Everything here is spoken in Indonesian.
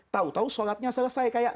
tahu tahu sholatnya selesai kayak